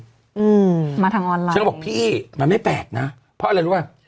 อืมมาทางออนไลน์ฉันก็บอกพี่มันไม่แปลกนะเพราะอะไรรู้ป่ะ